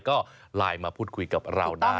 ก็ไลน์มาพูดคุยกับเราได้